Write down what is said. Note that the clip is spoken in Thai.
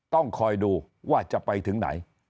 ต้องคอยดูว่าจะไปถึงไหน